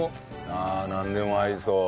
ああなんでも合いそう。